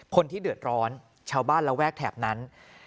คนที่เดือดร้อนชาวบ้านระแวกแถบนั้น